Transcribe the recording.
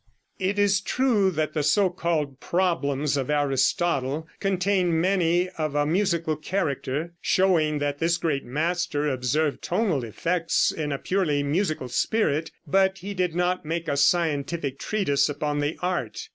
It is true that the so called Problems of Aristotle contain many of a musical character, showing that this great master observed tonal effects in a purely musical spirit, but he did not make a scientific treatise upon the art.